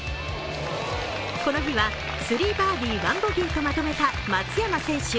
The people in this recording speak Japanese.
この日は３バーディー、１ボギーとまとめた松山選手。